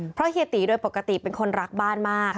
เพราะเฮียตีโดยปกติเป็นคนรักบ้านมาก